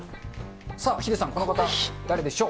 さあ、ヒデさん、この方、誰でしょう？